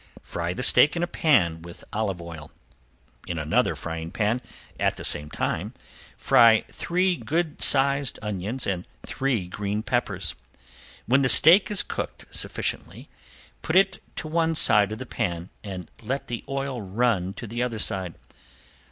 Fry the steak in a pan with olive oil. In another frying pan, at the same time, fry three good sized onions and three green peppers. When the steak is cooked sufficiently put it to one side of the pan and let the oil run to the other side.